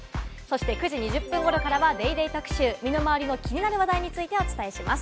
９時２０分頃からは「ＤａｙＤａｙ．特集」、身の回りの気になる話題についてお伝えします。